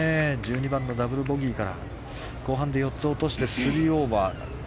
１２番のダブルボギーから後半で４つ落として３オーバー。